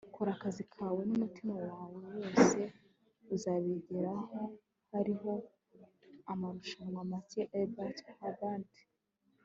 kora akazi kawe n'umutima wawe wose, uzabigeraho - hariho amarushanwa make. - elbert hubbard